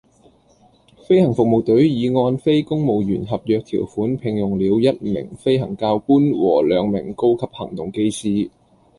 飛行服務隊已按非公務員合約條款聘用了一名飛行教官和兩名高級行動機師